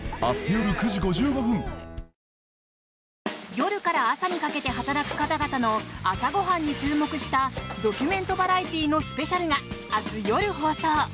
夜から朝にかけて働く方々の朝ごはんに注目したドキュメントバラエティーのスペシャルが明日夜放送。